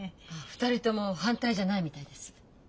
２人とも反対じゃないみたいです。